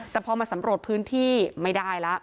แต่พอมาสำรวจพื้นที่ไม่ได้แล้ว